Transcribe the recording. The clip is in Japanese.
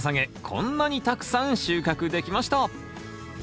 こんなにたくさん収穫できました！